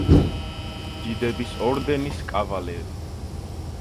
დიდების ორდენის კავალერი.